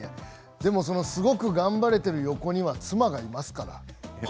でもそのすごく頑張れている横には妻がいますから。